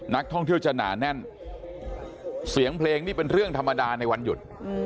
นักท่องเที่ยวจะหนาแน่นเสียงเพลงนี่เป็นเรื่องธรรมดาในวันหยุด